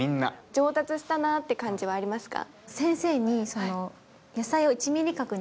上達したなって感じありますか？